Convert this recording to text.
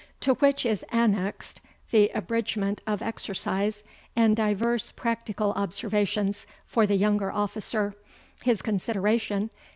To which is annexed, the Abridgement of Exercise, and divers Practical Observations for the Younger Officer, his consideration.